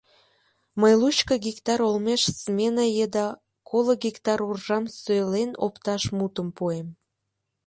— Мый лучко гектар олмеш смена еда коло гектар уржам сӧлен опташ мутым пуэм!